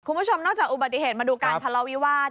คุณผู้ชมนอกจากอุบัติเหตุมาดูการทะเลาวิวาส